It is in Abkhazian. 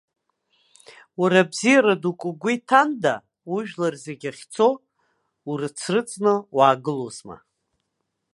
Уара бзиара дук угәы иҭанда, ужәлар зегьы ахьцо урыцрыҵны уаагылозма!